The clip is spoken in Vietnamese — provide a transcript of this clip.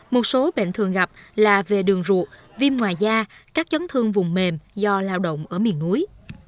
một số bệnh thường gặp là về đường ruột viêm ngoài da các chấn thương vùng mềm do lao động ở miền núi